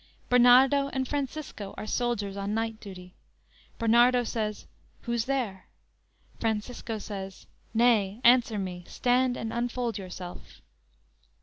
Bernardo and Francisco are soldiers on night duty. Bernardo says: "Who's there?" Francisco says: "Nay, answer me; stand and unfold yourself."